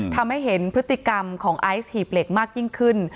ทำให้เห็นพฤติกรรมของไอซ์หีบเหล็กมากยิ่งขึ้น